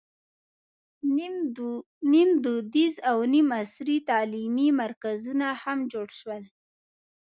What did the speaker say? نیم دودیز او نیم عصري تعلیمي مرکزونه هم جوړ شول.